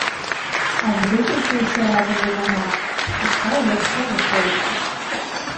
Аж выпрастаўся разам на нагах і стаў яшчэ вышэйшы.